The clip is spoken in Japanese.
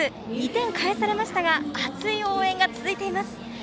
２点を返されましたが熱い応援が続いています。